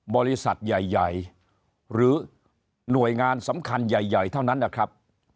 บริษัทใหญ่หรือหน่วยงานสำคัญใหญ่เท่านั้นนะครับ